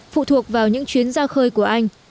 phụ thuộc vào những chuyến ra khơi của anh